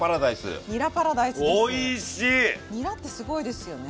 にらってすごいですよね。